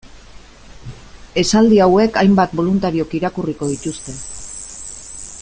Esaldi hauek hainbat boluntariok irakurriko dituzte.